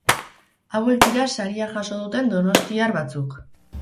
Hauek dira saria jaso duten Donostiar batzuk.